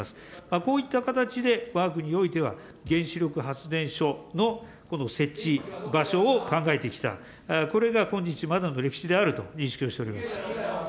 こういった形でわが国においては、原子力発電所のこの設置場所を考えてきた、これが今日までの歴史であると認識をしております。